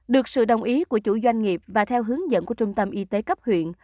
được sự đồng ý của chủ doanh nghiệp và theo hướng dẫn của trung tâm y tế cấp huyện